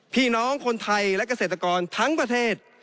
พี่น้องคนไทยและเกษตรกรทั้งประเทศ